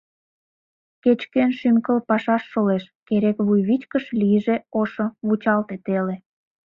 Кеч-кӧн шӱм-кыл пашаш шолеш, Керек вуйвичкыж лийже ошо, Вучалте теле!